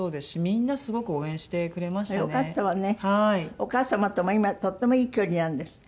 お母様とも今とてもいい距離なんですって？